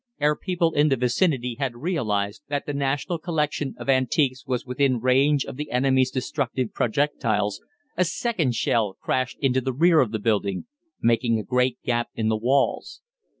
Ere people in the vicinity had realised that the national collection of antiques was within range of the enemy's destructive projectiles, a second shell crashed into the rear of the building, making a great gap in the walls.